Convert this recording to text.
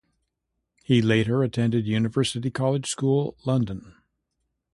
He later attended University College School, London.